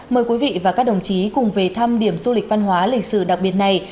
mời quý vị và các đồng chí cùng về thăm điểm du lịch văn hóa lịch sử đặc biệt này